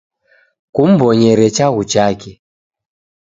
Kumw'onyere chaghu chake.